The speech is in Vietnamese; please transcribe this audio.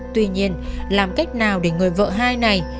tuy nhiên làm cách nào để người vợ hai này